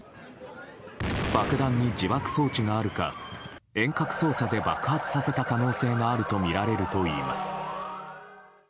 爆弾に自爆装置があるか遠隔操作で爆発させた可能性があるとみられるといいます。